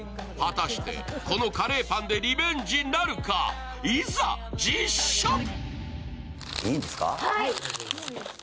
果たして、このカレーパンでリベンジなるか、いざ実食！